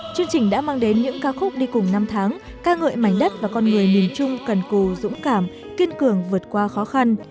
chương trình đã mang đến những ca khúc đi cùng năm tháng ca ngợi mảnh đất và con người miền trung cần cù dũng cảm kiên cường vượt qua khó khăn